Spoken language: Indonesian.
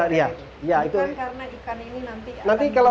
bukan karena ikan ini nanti akan merah